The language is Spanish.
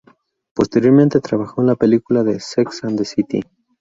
Posteriormente trabajó en la película de Sex and the City.